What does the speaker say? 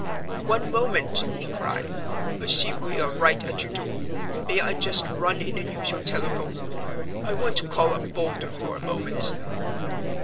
"One moment!" he cried; "I see we are right at your door. May I just run in and use your telephone? I want to call up Boulder for a moment."